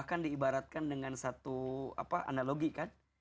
dan kita harus mengecepratkan dengan satu analogi kan